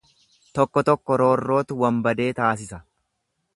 Tokko tokko roorrootu wanbadee taasisa.